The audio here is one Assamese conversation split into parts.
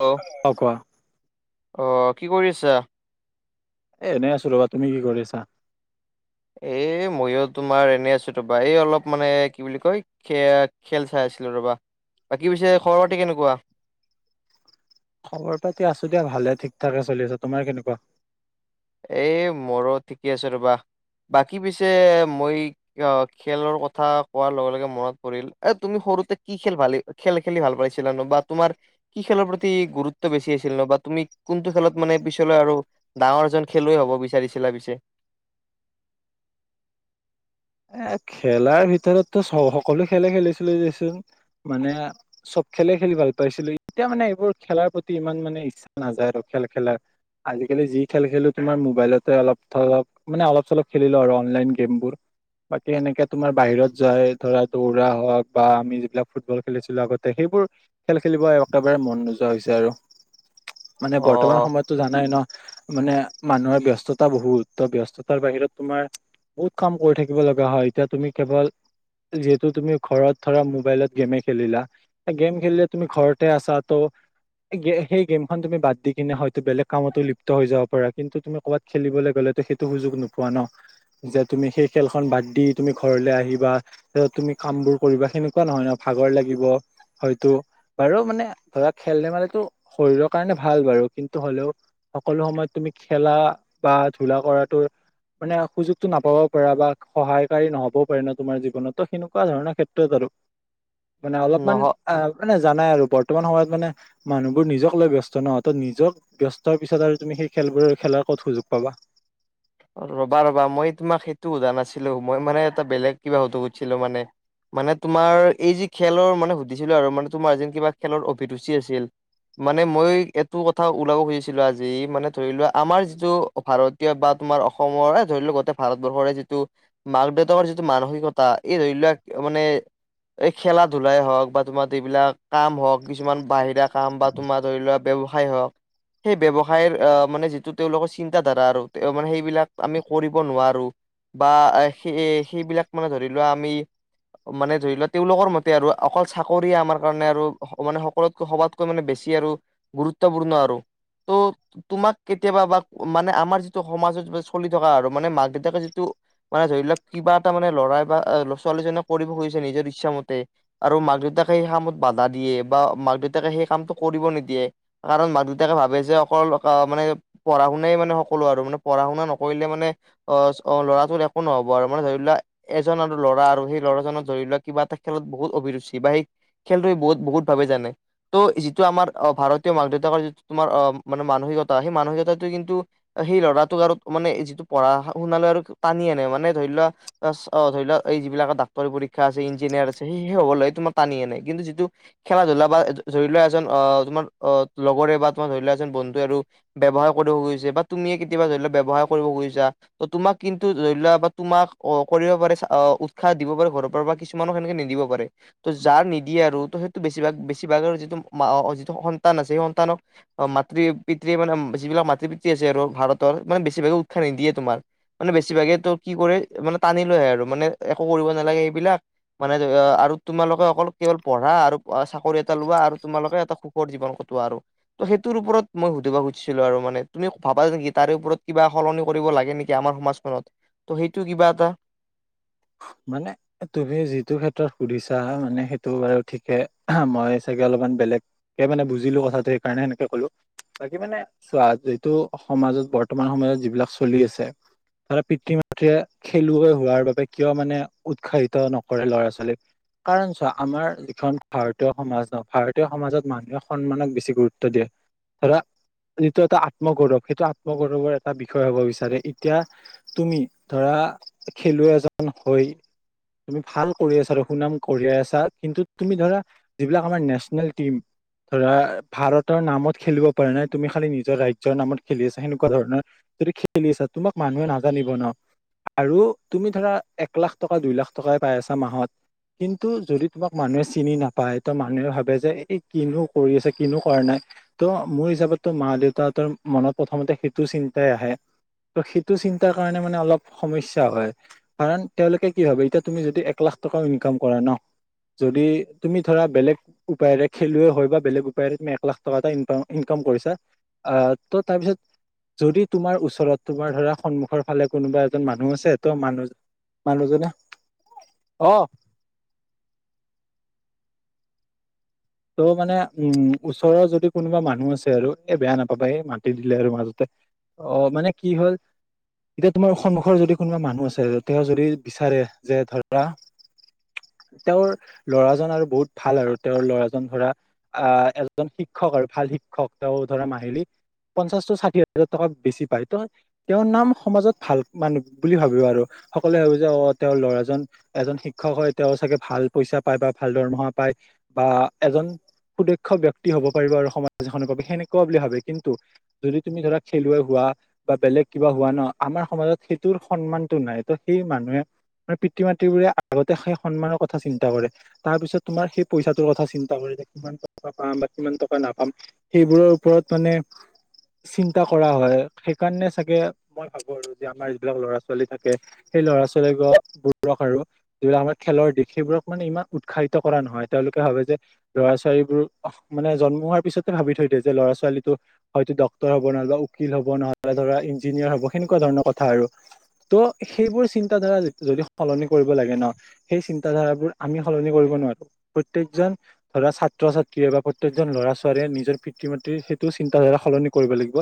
হেল্ল' অ কোৱা অ কি কৰি আছা? এনেই আছো ৰ'বা। তুমি কি কৰি আছা? এই মইয়ো তোমাৰ এনেই আছো [unintelligible] অলপ মানে কি বুলি কয় খে-খেল চাই আছিলো ৰবা। বাকী পিছে খবৰ-পাতি কেনেকুৱা? খবৰ পাতি আছো দিয়া ভালে ঠিক থাকে চলি আছে। তোমাৰ কেনেকুৱা? এ মোৰো ঠিকে আছে ৰ'বা। বাকী পিছে মই অ খেলৰ কথা কোৱাৰ লগে লগে মনত পৰিল এ তুমি সৰুতে কি খেল ভালি খেল খেলি ভাল পাইছিলানো বা তোমাৰ কি খেলৰ প্ৰতি গুৰুত্ব বেছি আছিল ন বা তুমি কোনটো খেলত মানে পিছলৈ আৰু ডাঙৰ এজন খেলুৱৈ হ'ব বিচাৰিছিলা পিছে? এ খেলাৰ ভিতৰতো চ সকলো খেলে খেলিছিল দেচোন। মানে চব খেলে খেলি ভাল পাইছিলো। এতিয়া মানে এইবোৰ খেলাৰ প্ৰতি ইমান মানে ইচ্ছা নাযায় আৰু খেল খেলাৰ আজিকালি যি খেল খেলো তোমাৰ মোবাইলতে অলপ ধৰক মানে অলপ চলপ খেলিলো আৰু অনলাইন গেমবোৰ। বাকী এনেকে তোমাৰ বাহিৰত যায় ধৰা দৌৰা হওক বা আমি যিবিলাক ফুটবল খেলিছিলো আগতে সেইবোৰ খেল খেলিব একেবাৰে মন নোযোৱা হৈছে আৰু। মানে বৰ্তমান অ' সময়ত টো জানাই ন মানে মানুহৰ ব্যস্ততা বহুত ত ব্যস্ততাৰ বাহিৰত তোমাৰ বহুত কাম কৰি থাকিব লগা হয় এতিয়া তুমি কেৱল যিহেতু তুমি ঘৰত ধৰা মোবাইলত গেমে খেলিলা গেম খেলিলে তুমি ঘৰতে আছা ত সেই গে সেই গেমখন তুমি বাদ দি কিনে হয়তো বেলেগ কামতো লিপ্ত হৈ যাব পাৰা কিন্তু তুমি ক'ৰবাত খেলিবলে গ'লেতো সেইটো সুযোগ নোপোৱা ন যে তুমি সেই খেলখন বাদ দি তুমি ঘৰলৈ আহিবা তাৰপিছত তুমি কামবোৰ কৰিবা সেনেকোৱা নহয় ন ভাগৰ লাগিব হয়তো বাৰু মানে ধৰা খেল ধেমালিটো শৰীৰৰ কাৰণে ভাল বাৰু কিন্তু হ'লেও সকলো সময়ত তুমি খেলা বা ধূলা কৰাতো মানে সুযোগটো নাপাব পৰা বা সহায়কাৰী নহ'বও পাৰে ন তোমাৰ জীৱনত ত সেনেকোৱা ধৰণৰ ক্ষেত্ৰত আৰু মানে অলপমান নহ আহ মানে জানাই আৰু বৰ্তমান সময়ত মানে মানুহবোৰ নিজক লৈ ব্যস্ত নহ ত নিজক ব্যস্তৰ পিছত আৰু তুমি সেই খেলবোৰ খেলাৰ ক'ত সুযোগ পাবা ৰবা ৰবা মই তোমাক সেইটো সোধা নাছিলো মই মানে এটা বেলেগ কিবা সুধব খুজিছিলো মানে মানে তোমাৰ এই যি খেলৰ মানে সুধিছিলো আৰু মানে তোমাৰ যেন কিবা খেলৰ অভিৰুচি আছিল মানে মই এইটো কথা ওলাব খুজিছিলো আজি মানে ধৰি লোৱা আমাৰ যিটো ভাৰতীয় বা তোমাৰ অসমৰে এ ধৰি লওক গোটেই ভাৰতবৰ্ষৰে যিটো মাক দেউতাকৰ যিটো মানসিকতা এই ধৰি লওক মানে এই খেলা ধূলাই হওক বা তোমাৰ এইবিলাক কাম হওক কিছুমান বাহিৰা কাম বা তোমাৰ ধৰি লোৱা ব্যৱসায় হওঁক সেই ব্যৱসায়ৰ মানে যিটো তেওঁলোকৰ চিন্তা ধাৰা আৰু মানে সেইবিলাক আমি কৰিব নোৱাৰো বা সেই সেইবিলাক মানে ধৰি লোৱা আমি মানে ধৰি লোৱা তেওঁলোকৰ মতে আৰু অকল চাকৰিয়ে আমাৰ কাৰণে আৰু মানে সকলোতকৈ সবাত তো বেছি আৰু গুৰুত্বপূৰ্ণ আৰু ত তোমাক কেতিয়াবা বা মানে আমাৰ যি টো সমাজত চলি থকা আৰু মানে মাক দেউতাকে যিটো মানে ধৰি লওক কিবা এটা মানে লৰাই বা ছোৱালীজনে কৰিব খুজিছে নিজৰ ইচ্ছা মতে আৰু মাক দেউতাকে সেই কামত বাধা দিয়ে বা মাক দেউতাকে সেই কামটো কৰিব নিদিয়ে কাৰণ মাক দেউতাকে ভাবে যে অকল মানে পঢ়া শুনাই মানে সকলো আৰু মানে পঢ়া শুনা নকৰিলে মানে অ ল'ৰাটোৰ একো নহব আৰু মানে ধৰি লোৱা এজন আৰু ল'ৰা আৰু সেই ল'ৰাজনৰ ধৰি লোৱা কিবা এটা খেলত বহুত অভিৰুচি বা সেই খেলটোৱে বহুত বহুত ভাৱে জানে ত' যিটো আমাৰ অ ভাৰতীয় মাক দেউতাকৰ যিটো তোমাৰ অ মানে মানসিকতা সেই মানসিকতাটো কিন্তু সেই ল'ৰাটোক আৰু মানে যিটো পঢ়া শুনালে আৰু টানি আনে মানে ধৰি লোৱা ছ অ ধৰি লও এই যিবিলাক ডাক্তৰ পৰীক্ষা আছে ইঞ্জিনিয়াৰ আছে সেই হ'বলে তোমাৰ টানি আনে কিন্তু যিটো খেলা ধূলা বা ধৰি লোৱা এজন অ তোমাৰ লগৰে বা তোমাৰ ধৰি লোৱা এজন বন্ধুৱে আৰু ব্যৱসায় কৰিব খুজিছে বা তুমিয়ে কেতিয়াবা ধৰি লও ব্যৱসায় কৰিব খুজিছা ত তোমাক কিন্তু ধৰি লোৱা বা তোমাক অ কৰিব পাৰে অ উৎসাহ দিব পাৰে ঘৰৰ পৰা বা কিছু কিছুমানক সেনেকে নিদিব পাৰে ত' যাৰ নিদিয়ে আৰু ত সেইটো বেছিভাগ বেছিভাগ আৰু যিটো যিটো সন্তান আছে সেই সন্তানক অ মাতৃ পিতৃয়ে মানে যিবিলাক মাতৃ পিতৃ আছে আৰু ভাৰতৰ মানে বেছিভাগে উৎসাহ নিদিয়ে তোমাৰ মানে বেছিভাগে এইটো কি কৰে মানে টানি লৈ আহে আৰু মানে একো কৰিব নালাগে সেইবিলাক মানে ধৰি লোৱা আৰু তোমালোকে অকল কেৱল পঢ়া আৰু চাকৰি এটা লোৱা আৰু তোমালোকে এটা সুখৰ জীৱন কটোৱা আৰু ত সেইটোৰ ওপৰত মই সুধিব খুজিছিলো আৰু মানে তুমি ভাবা নেকি তাৰে ওপৰত কিবা সলনি কৰিব লাগে নেকি আমাৰ সমাজখনত ত' সেইটো কিবা এটা মানে তুমি যিটো ক্ষেত্ৰত সুধিছা মানে সেইটো বাৰু ঠিকে মই চাগে অলপমান বেলেগ। একে মানে বুজিলো কথাটো সেই কাৰণে এনেকে ক'লো। বাকী মানে চোৱা যিটো সমাজত বৰ্তমান সময়ত যিবিলাক চলি আছে। পিতৃ মাতৃয়ে খেলুৱৈ হোৱাৰ বাবে, কিয় মানে উৎসাহিত নকৰে ল'ৰা ছোৱালীক। কাৰণ চোৱা আমাৰ যিখন ভাৰতীয় সমাজত ভাৰতীয় সমাজত মানুহে সন্মানক বেছি গুৰুত্ব দিয়ে। ধৰা যিটো এটা আত্মগৌৰৱ সেইটো আত্মগৌৰৱৰ এটা বিষয় হব বিচাৰে এতিয়া। তুমি ধৰা খেলুৱৈ এজন হৈ। তুমি ভাল কৰি আছা আৰু সুনাম কঢ়িয়াই আছা কিন্তু তুমি ধৰা, যিবিলাক আমাৰ নেশ্যনেল টিম। ধৰা ভাৰতৰ নামত খেলিব পাৰ নাই তুমি খালি নিজৰ ৰাজ্যৰ নামত খেলি আছা সেনেকুৱা ধৰণৰ, যদি খেলি আছা তোমাক মানুহে নাজানিব ন আৰু তুমি ধৰা। এক লাখ টকা দুই লাখ টকাই পাই আছা মাহত, কিন্তু যদি তোমাক মানুহে চিনি নাপায় তো মানুহে ভাবে যে এই কিনো কৰি আছে কিনো কৰা নাই। ত' মোৰ হিচাপত তো মা দেউতাৰ হতৰ মনত প্ৰথমতে সেইটো চিন্তাই আহে। ত সেইটো চিন্তাৰ কাৰণে মানে অলপ সমস্যা হয়। কাৰণ তেওঁলোকে কি ভাবে এতিয়া তুমি যদি এক লাখ টকা ইনকাম কৰা ন। যদি তুমি ধৰা বেলেগ। উপায়েৰে খেলুৱৈ হয় বা বেলেগ উপায়েৰে তুমি এক লাখ টকা এটা ইনকাম কৰিছা। আহ তো তাৰপিছত। যদি তোমাৰ ওচৰত তোমাৰ ধৰা সন্মুখৰ ফালে কোনোবা এজন মানুহ আছে ত মানুহ মানুহ জনে অ, ত' মানে উম ওচৰ যদি কোনোবা মানুহ আছে আৰু এ বেয়া নাপাবা এই মাতি দিলে আৰু মাজতে, অ মানে কি হ'ল। এতিয়া তোমাৰ সমুখৰ যদি কোনোবা মানুহ আছে তেওঁ যদি বিচাৰে যে ধৰা। তেওঁৰ ল'ৰাজন আৰু বহুত ভাল আৰু তেওঁৰ ল'ৰাজন, ধৰা আহ এজন শিক্ষক আৰু ভাল শিক্ষক তেওঁ ধৰা মাহিলী, পঞ্চাশ ষাঠি হাজাৰ টকা বেছি পায় ত, তেওঁৰ নাম সমাজত ভাল মানুহ বুলি ভাবি আৰু সকলোৱে ভাবি যে অ তেওঁৰ ল'ৰাজন। এজন শিক্ষক হয় তেওঁ চাগে ভাল পইচা পায় বা ভাল দৰমহা পায় বা, এজন সুদক্ষ ব্যক্তি হব পাৰিব আৰু সমাজ এখনৰ বাবে সেনেকুৱা বুলি ভাবে কিন্তু, যদি তুমি ধৰা খেলুৱৈ হোৱা। বা বেলেগ কিবা হোৱা ন আমাৰ সমাজত সেইটোৰ সন্মানতটো নাই ত সেই মানুহে। তোমাৰ পিতৃ মাতৃ বোৰে আগতে সেই সন্মানৰ কথা চিন্তা কৰে তাৰ পিছত তোমাৰ সেই পইচাটোৰ কথা চিন্তা, কিমান টকা পাম বা কিমান টকা নাপাম সেইবোৰৰ ওপৰত মানে। চিন্তা কৰা হয় সেইকাৰণে চাগে মই ভাবো আৰু যে আমাৰ যিবিলাক ল'ৰা ছোৱালী থাকে। সেই ল'ৰা ছোৱালী বিলাক বোৰবক আৰু যিবিলাক আমাৰ খেলৰ দিশ সেইবোৰক মানে ইমান উৎসাহিত কৰা নহয় তেওঁলোকে ভাবে যে, ল'ৰা ছোৱালীবোৰ মান জন্ম হোৱাৰ পিছতে ভাবি থৈ দিয় যে ল'ৰা ছোৱালীটো, হয়তো ডক্তৰ হব নহলে বা উকিল হব নহলে ধৰা ইঞ্জিনিয়াৰ হব সেনেকুৱা ধৰণৰ কথা আৰু ত' সেইবোৰ চিন্ত ধাৰা যদি সলনি কৰিব লাগে ন। সেই চিন্ত ধাৰাবোৰ আমি সলনি কৰিব নোৱাৰো প্ৰতেয়েকজন, ধৰা ছাত্ৰ ছাত্ৰীয়ে বা প্ৰত্যেকজন ল'ৰা ছোৱালীয়ে নিজৰ পিতৃ মাতৃ সেইটো চিন্তাধাৰা সলনি কৰিব লাগিব।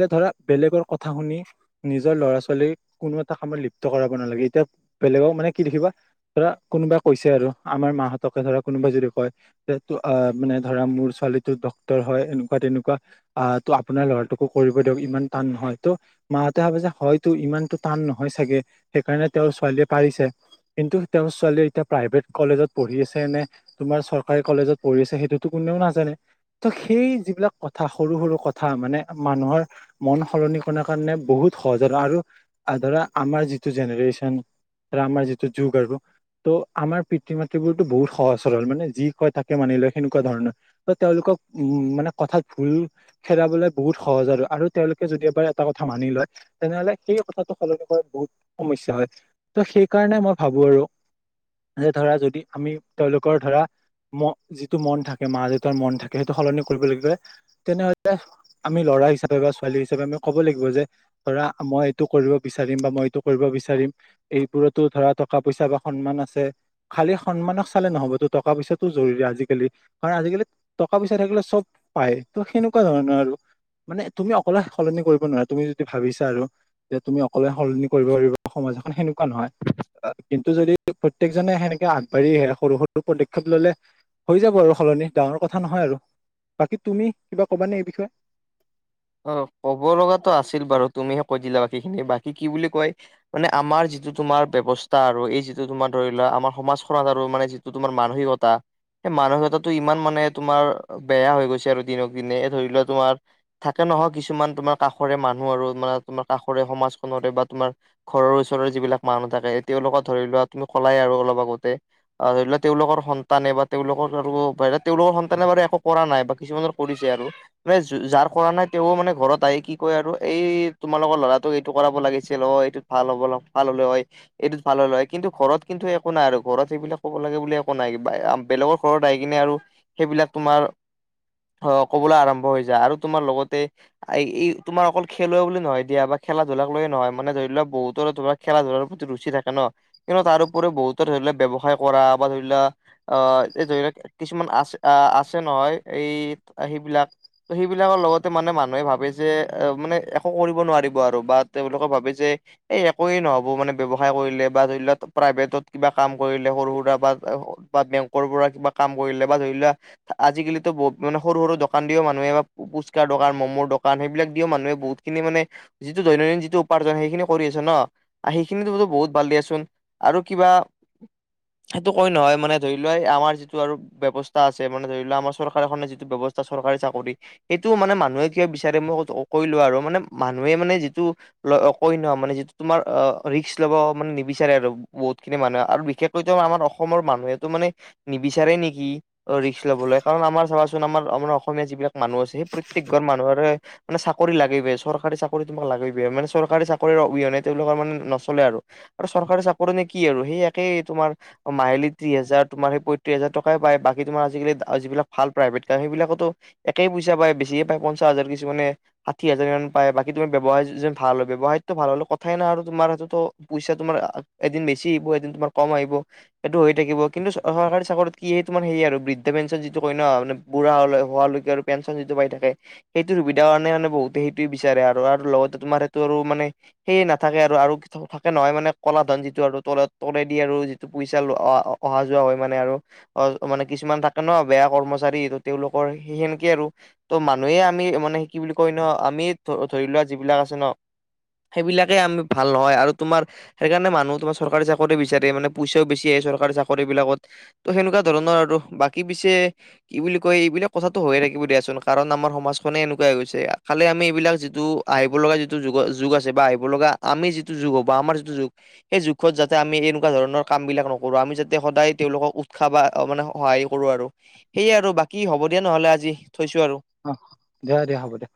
যে ধৰা বেলেগৰ কথা শুনি। নিজৰ ল'ৰা ছোৱালী কোনো এটা কামত লিপ্ত কৰাব নালাগে এতিয়া বেলেগক মানে কি দেখিবা। ধৰা কোনোবাই কৈছে আৰু আমাৰ মাহঁতকে ধৰা কোনোবাই যদি কয় যে টো অ মানে ধৰা মোৰ ছোৱালীটো ডক্তৰ হয় এনেকুৱা তেনেকুৱা আহ ত' আপোনাৰ ল'ৰাটোকো কৰিব দিয়ক ইমান টান নহয় ত' মাহঁতে ভাবে যে হয়তো ইমানতো টান নহয় চাগে সেইকাৰণে তেওঁৰ ছোৱালীয়ে পাৰিছে কিন্তু তেওঁৰ ছোৱালীয়ে এতিয়া প্ৰাইভেট কলেজত পঢ়ি আছে নে তোমাৰ চৰ কাৰী কলেজত পঢ়ি আছে সেইটোতো কোনেও নাজানে ত সেই যিবিলাক কথা সৰু সৰু কথা মানে মানুহৰ মন সলনি কৰ কাৰণে বহুত সহজ আৰু আৰু ধৰা আমাৰ যিটো জেনেৰেশ্যন আৰু আমাৰ যিটো যুগ আৰু ত' আমাৰ পিতৃ মাতৃ বোৰতো বহুত সহজ সৰল মানে যি কয় থাকে মানি লৈ সেনেকুৱা ধৰণৰ ত তেওঁলোকক উম মানে কথাত ভুল হেৰাবলে বহুত সহজ আৰু আৰু তেওঁলোকে যদি এবাৰ এটা কথা মানি লয় তেনেহলে সেই কথাটো সলনি কৰা বহুত সমস্যা হয় ত' সেইকাৰণে মই ভাবো আৰু যে ধৰা যদি আমি তেওঁলোকৰ ধৰা ম যিটো মন থাকে মা দেউতাৰ মন থাকে সেইটো সলনি কৰিব লাগবে তেনেহলে আমি ল'ৰা হিচাপে বা ছোৱালী হিচাপে আমি ক'ব লাগিব যে ধৰা মই এইটো কৰিব বিচাৰিম বা মই এইটো কৰিব বিচাৰিম এইবোৰতো ধৰা টকা পইচা বা সন্মান আছে খালি সন্মানক চালে নহ'বতো টকা পইচাত জৰুৰী আজিকালি কাৰণ আজিকালি টকা পইচা থাকিলে চব পায় ত সেনেকুৱা ধৰণৰ আৰু মানে তুমি অকলে সলনি কৰিব নোৱাৰা তুমি যদি ভাবিছা আৰু যে তুমি অকলে সলনি কৰিব পাৰিব সমাজ এখন সেন কন হয় অ কিন্তু যদি প্ৰত্যেকজনে সেনেকে আগবাঢ়ি আহে সৰু সৰু পদক্ষেপ ললে হৈ যাব আৰু সলনি ডাঙৰ কথা নহয় আৰু বাকী তুমিহ কিবা ক'বানে এই বিষয়ে অ ক'ব লগাতটো আছিল বাৰু তুমিহে কৈ দিলা বাকী খিনি বাকী কি বুলি কয় মানে আমাৰ যিটো তোমাৰ বেৱস্থা আৰু এই যিটো তোমাৰ ধৰি লোৱা আমাৰ সমাজখনত আৰু মানে যি টো তোমাৰ মানসিকতা এই মানসিকতাটো ইমান মানে তোমাৰ বেয়া হৈ গৈছে আৰু দিনক দিনে এ ধৰি লোৱা তোমাৰ থাকে নহয় কিছুমান তোমাৰ কাষৰে মানুহ আৰু মানে তোমাৰ কাষৰে সমাজখনৰে বা তোমাৰ ঘৰৰ ওচৰৰ যিবিলাক মানুহ থাকে তেওঁলোকক ধৰি লোৱা তুমি কলাই আৰু অলপ আগতে আ ধৰি লোৱা তেওঁলোকৰ সন্তানে বা তেওঁলোকৰ আৰু ধৰি ল তেওঁলোকৰ সন্তানে বাৰু একো কৰা নাই বা কিছুমানৰ কৰিছে আৰু মে জো যাৰ কৰা নাই তেওঁ মানে ঘৰত আহি কি কয় আৰু এই তোমালোকৰ ল'ৰাটোক এইটো কৰাব লাগিছিল অ এইটো ভাল হ'বল ভাল হ'লে হয় এইটোত ভাল হ'ল হয় কিন্তু ঘৰত কিন্তু একো নাই আৰু ঘৰত সেইবিলাক ক'ব লাগে বুলি একো নাই কিবা আ বেলেগৰ ঘৰত আহি কিনে আৰু সেইবিলাক তোমাৰ অ ক'বলৈ আৰম্ভ হৈ যায় আৰু তোমাৰ লগতে আই, এই তোমাৰ অকল খেলুৱৈ বুলি নহয় দিয়া বা খেলা ধূলাক লৈয়ে নহয়! মানে ধৰি লোৱা বহুতৰে তোমাক খেলা ধূলাৰ প্ৰতি ৰুচি থাকে! ন কিন্তু তাৰ উপৰিও বহুতো ধৰি লোৱা ব্যৱসায় কৰা বা ধৰি লোৱা! অ', এই [unintelligible] ধৰি লোৱা কিছুমান আছ আছে ন এই সেইবিলাক ত' সেইবিলাকৰ লগতে মানে মানুহে ভাবে যে এ মানে একো কৰিব নোৱাৰিব! আৰু বা তেওঁলোকে ভাবে যে এই একোৱে নহ'ব! মানে ব্যৱসায় কৰিলে বা ধৰি লোৱা প্ৰাইভেটত কিবা কাম কৰিলে সৰু সুৰা বা [unintelligible] বা বেংকৰ পৰা কিবা কাম কৰিলে বা ধৰি লোৱা আজিকালিতো বহুত মানে সৰু, সৰু দকান দিও মানুহেও পু পুচকাৰ দোকান মমোৰ দোকান সেইবিলাক দিও মানুহে বহুতখিনি মানে যিটো দৈনন্দিন যিটো উপাৰ্জন সেইখিনি কৰি আছে! ন আ সেইখিনিতো বহুত ভাল দিয়াচোন আৰু কিবা সেইটো কৈ নহয় মানে ধৰি লোৱা এই আমাৰ যিটো আৰু ব্যৱস্থা আছে! মানে ধৰি লোৱা আমাৰ চৰকাৰখনে যিটো ব্যৱস্থা চৰকাৰী চাকৰি সেইটো মানে মানুহে কিয় বিচাৰে মই কৈছোঁ কৈ লও আৰু মানে মানুহে মানে যিটো ল কই ন মানে যিটো তোমাৰ অ' ৰিক্স ল'ব মানে নিবিচাৰে আৰু বহুতখিনি মানুহে আৰু বিশেষকৈ ত আমাৰ অসমৰ মানুহেটো মানে নিবিচাৰে নেকি অ', ৰিক্স লবলে কাৰণ আমাৰ চাবাচোন আমাৰ আপোনাৰ অসমীয়া যিবিলাক মানুহ আছে সেই প্ৰত্যেক ঘৰ মানুহৰে মানে চাকৰি লাগিবেই চৰকাৰী চাকৰি তোমাক লাগিবেই! মানে চৰকাৰী চাকৰিৰ অবিহনে তেওঁলোকৰ মানে নচলে আৰু আৰু চৰকাৰী চাকৰি নে কি আৰু সেই একেই তোমাৰ মাহিলী ত্ৰিশহাজাৰ তোমাৰ সেই পঁয়ত্ৰিশ হাজাৰ টকাই পায় বাকী তোমাৰ আজিকালি যিবিলাক ভাল প্ৰাইভেট কাম সেইবিলাকতো একেই পইচা পায় বেছিয়ে পায় পঞ্চাছ হাজাৰ কিছুমানে ষাঠি হাজাৰমান কিমান মান পায় বাকী তুমি ব্যৱসায় যেন ভাল হল ব্যৱসায়তো ভাল হ'লে কথাই নাই আৰু তোমাৰ হেটোতো পইচা তোমাৰ এদিন বেছি আহিব, এদিন তোমাৰ কম আহিব। সেইটো হৈ থাকিব, কিন্তু চৰকাৰী চাকৰিত কি এইটো মানে হেৰি আৰু বৃদ্ধ পেঞ্চন যিটো কয় ন মানে বুঢ়া হলে হালৈকে আৰু পেঞ্চন যিটো পাই থাকে সেইটো সুবিধা কাৰণে মানে বহুতে সেইটোৱে বিচাৰে আৰু লগতে তোমাৰ সেইটো আৰু মানে সেয়ে নাথাকে আৰু আৰু থাকে নহয় মানে কলা ধন যিটো আৰু তলে তলেদি আৰু যিটো পইচা অহা যোৱা হয় মানে আৰু অ' মানে কিছুমান থাকে ন বেয়া কৰ্মচাৰী তেওঁলোকৰ সেইখিন কে আৰু ত মানুহে আমি মানে কি বুলি কয় ন আমি ধ ধৰি লোৱা যিবিলাক আছে ন সেইবিলাকেই আমি ভাল নহয় আৰু তোমাৰ সেইকাৰণে মানুহ তোমাৰ চৰকাৰী চাকৰি বিচাৰে মানে পইচাও বেছি আহে চৰকাৰী চাকৰি বিলাকত ত' সেনেকুৱা ধৰণৰ আৰু বাকী পিছে কি বুলি কয় এইবিলাক কথাটো হয়ে থাক কিব‌ দিয়াচোন কাৰণ আমাৰ সমাজখনে এনেকুৱা গৈছে, খালি আমি এইবিলাক যিটো আহিব লগা যি টো যুগৰ যুগ আছে বা আহিব লগা আমি যিটো যুগ হব বা আমাৰ যিটো যুগ সেই যুগত যাতে আমি এনেকুৱা ধৰণৰ কাম বিলাক নকৰোঁ আমি যাতে সদায় তেওঁলোকক উৎসাহ বা অ' মানে সহায় কৰোঁ আৰু সেয়ে আৰু বাকী হ'ব দিয়া নহ'লে আজি থৈছোঁ আৰু অ', দিয়া, দিয়া হ'ব দিয়া